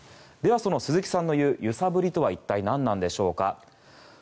では、その鈴木さんの言う揺さぶりとは一体、何なんでしょうか。